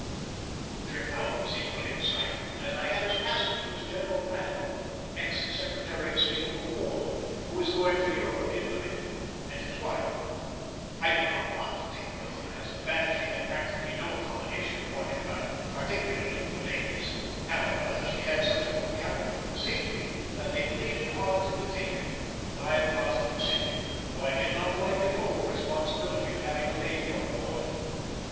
The trip out was equally exciting, as I had as passengers General Randolph, ex Secretary of State for War, who was going to Europe invalided, and his wife. I did not want to take them, as the Banshee had practically no accommodation whatever, particularly for ladies. However, she had such a good character for safety, that they pleaded hard to be taken, and I at last consented, though I did not like at all the responsibility of having a lady on board.